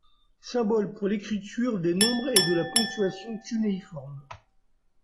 Symboles pour l'écriture des nombres et de la ponctuation cunéiformes.